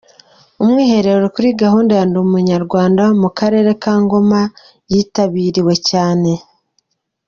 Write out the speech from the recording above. Umwihero kuri gahunda ya "Ndi Umunyarwanda" mu karere ka Ngoma yitabiriwe cyane.